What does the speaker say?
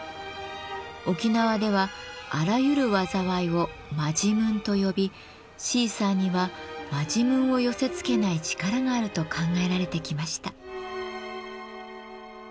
沖縄ではあらゆる災いを「マジムン」と呼びシーサーにはマジムンを寄せつけない力があると考えられてきました。